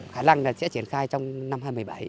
khả năng sẽ triển khai trong năm hai nghìn một mươi bảy